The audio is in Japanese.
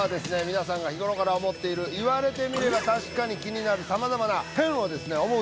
皆さんが日頃から思っている言われてみれば確かに気になる様々な変をですね思う